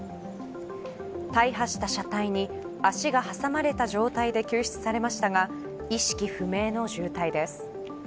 大破した車体に足が挟まれた状態で救出されましたが意識不明の重体です。